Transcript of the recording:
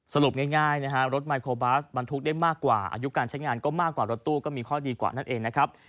สรุปง่ายนะฮะรถไมโครบัสบรรทุกได้มากกว่าอายุการใช้งานก็มากกว่ารถตู้ก็มีข้อดีกว่านั่นเองนะครับ